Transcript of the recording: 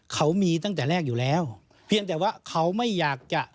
เขามีตั้งแต่แรกอยู่แล้วเพียงแต่ว่าเขาไม่อยากจะ